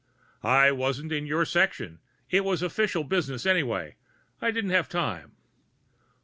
"I wasn't in your section. It was official business, anyway. I didn't have time."